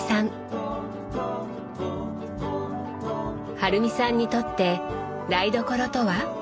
春美さんにとって台所とは？